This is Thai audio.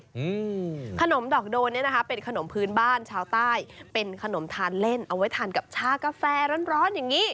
อืมขนมดอกโดนเนี้ยนะคะเป็นขนมพื้นบ้านชาวใต้เป็นขนมทานเล่นเอาไว้ทานกับชากาแฟร้อนร้อนอย่างงี้